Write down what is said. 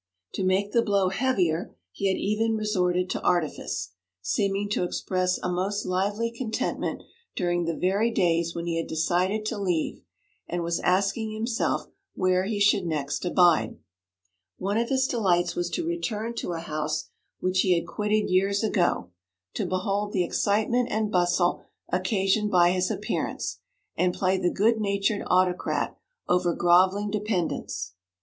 To make the blow heavier he had even resorted to artifice, seeming to express a most lively contentment during the very days when he had decided to leave and was asking himself where he should next abide. One of his delights was to return to a house which he had quitted years ago, to behold the excitement and bustle occasioned by his appearance, and play the good natured autocrat over grovelling dependents.